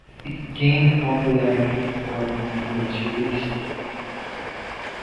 It gained popularity before the movie was released.